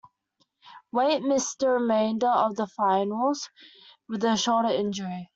Weight missed the remainder of the Finals with a shoulder injury.